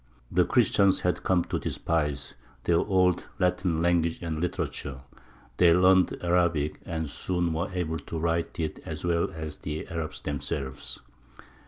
The Christians had come to despise their old Latin language and literature; they learned Arabic, and soon were able to write it as well as the Arabs themselves.